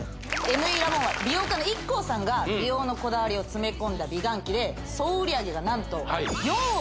ＭＥラボンは美容家のＩＫＫＯさんが美容のこだわりを詰め込んだ美顔器で何と４億？